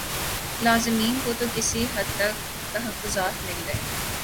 لازمین کو تو کسی حد تک تخفظات مل گئے